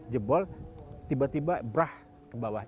jebol tiba tiba brah ke bawah